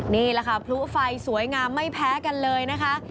นี่แหละค่ะพลุไฟสวยงามไม่แพ้กันเลยนะคะ